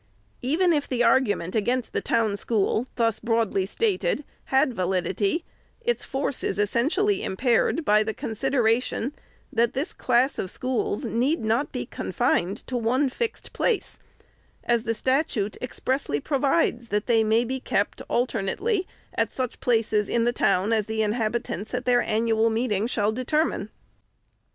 Even if the argument against the town school, thus broadly stated, had validity, its force is essentially im paired by the consideration, that this class of schools need not be confined to one fixed place ; as the statute expressly provides, that they may be kept " alternately at such places in the town, as the inhabitants at their an nual meeting shall determine."